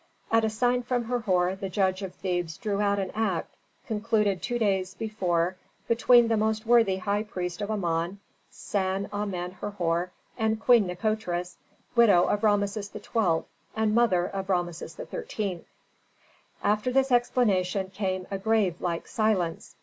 At a sign from Herhor the judge of Thebes drew out an act concluded two days before between the most worthy high priest of Amon, San Amen Herhor, and Queen Nikotris, widow of Rameses XII., and mother of Rameses XIII. After this explanation came a grave like silence.